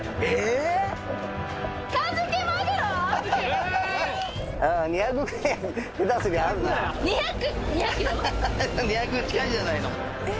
えっ⁉２００近いんじゃないの？